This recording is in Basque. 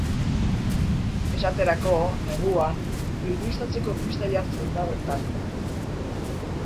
Esaterako, neguan, irristatzeko pista jartzen da bertan.